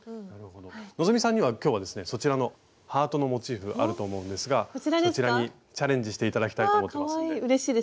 希さんには今日はですねそちらのハートのモチーフあると思うんですがそちらにチャレンジして頂きたいと思ってますんで。